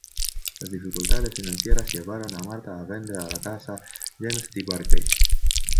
Las dificultades financieras llevaron a Martha a vender la casa a James T. Barclay.